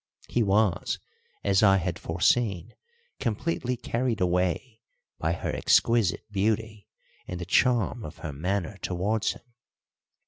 He was, as I had foreseen, completely carried away by her exquisite beauty and the charm of her manner towards him.